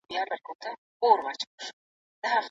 هر څوک مسؤلیت لري چي زده کړه وکړي.